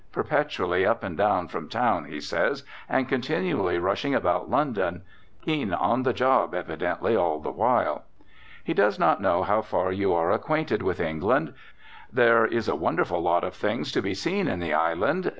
Perpetually up and down from town, he says, and continually rushing about London. Keen on the job, evidently, all the while. He does not know how far you are acquainted with England; "there is a wonderful lot of things to be seen in the island."